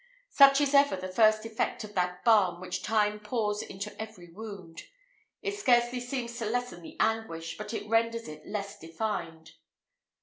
Such is ever the first effect of that balm which Time pours into every wound. It scarcely seems to lessen the anguish, but it renders it less defined.